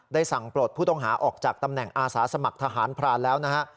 สั่งปลดผู้ต้องหาออกจากตำแหน่งอาสาสมัครทหารพรานแล้วนะฮะ